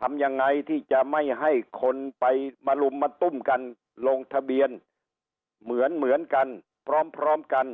ทำยังไงที่จะไม่ให้คนไปมาลุมมาตุ้มกันลงทะเบียนเหมือนเหมือนกันพร้อมกัน